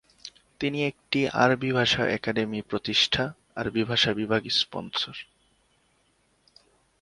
তিনি একটি আরবি ভাষা একাডেমী প্রতিষ্ঠা, আরবি ভাষা বিভাগ স্পনসর।